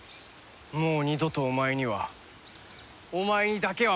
もう二度とお前にはお前にだけは負けない！